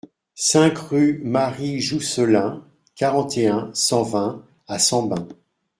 cinq rue Marie Jousselin, quarante et un, cent vingt à Sambin